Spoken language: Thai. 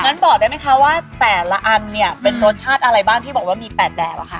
งั้นบอกได้ไหมคะว่าแต่ละอันเนี่ยเป็นรสชาติอะไรบ้างที่บอกว่ามี๘แบบอะค่ะ